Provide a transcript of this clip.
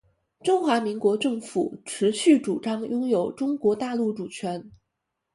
中华民国政府持续主张拥有中国大陆主权